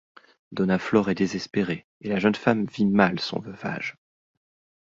Dona Flor est désespérée et la jeune femme vit mal son veuvage.